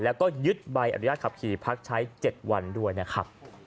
แล้วก็ยึดใบอนุญาตขับขี่พักใช้๗วันด้วยนะครับ